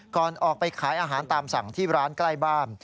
ก่อนออกไปขายอาหารตามสั่งที่ร้านใกล้บ้าน